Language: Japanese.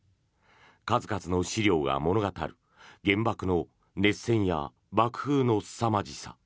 数々の資料が物語る原爆の熱線や爆風のすさまじさ。